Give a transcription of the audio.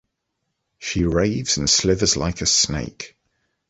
She raves and slithers like a snake.